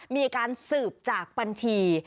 มีการสืบจากบัญชี